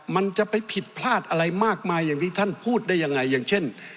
มันจะไปผิดพลาดอะไรมากมายอย่างที่ท่านพูดได้ยังไงอย่างเช่น